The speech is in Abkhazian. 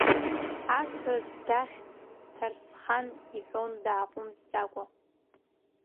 Ҳасас дахь Ҭарсхан иҳәон дааҟәымҵӡакәа.